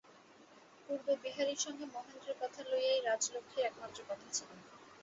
পূর্বে বিহারীর সঙ্গে মহেন্দ্রের কথা লইয়াই রাজলক্ষ্মীর একমাত্র কথা ছিল।